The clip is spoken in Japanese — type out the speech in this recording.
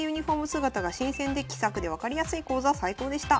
姿が新鮮で気さくで分かりやすい講座最高でした。